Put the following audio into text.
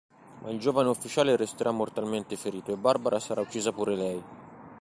Ma il giovane ufficiale resterà mortalmente ferito e Barbara sarà uccisa pure lei.